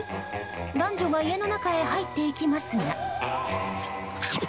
男女が家の中へ入っていきますが。